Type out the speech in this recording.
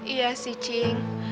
iya sih cing